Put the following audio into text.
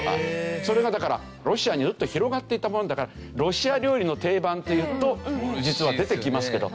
それがだからロシアにウッと広がっていったものだからロシア料理の定番というと実は出てきますけど。